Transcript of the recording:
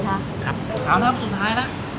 ถามแล้วครับสุดท้ายแล้ว